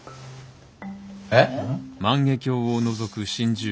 えっ？